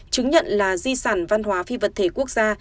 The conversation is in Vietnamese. chứng nhận là di sản văn hóa phi vật thể quốc gia